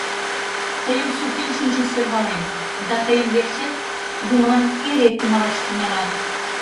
Тыйым сукен шинчын сӧрвалем да тыйын верчет юмылан эре кумалаш тӱҥалам.